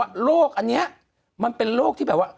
คุณหนุ่มกัญชัยได้เล่าใหญ่ใจความไปสักส่วนใหญ่แล้ว